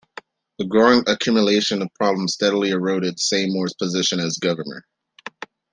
The growing accumulation of problems steadily eroded Seymour's position as governor.